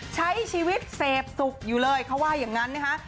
ใช้ชีวิตเสพสุขอยู่เลยเขาว่าอย่างนั้นนะคะ